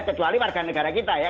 kecuali warga negara kita ya